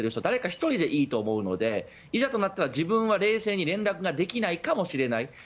誰か１人でいいと思うのでいざとなったら自分は冷静に連絡ができないかもしれない。